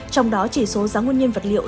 trong đó chỉ số giá nguyên nhân vật liệu